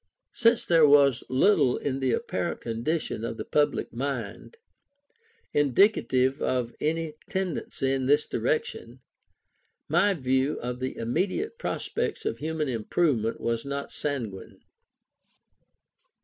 Since there was little in the apparent condition of the public mind, indicative of any tendency in this direction, my view of the immediate prospects of human improvement was not sanguine.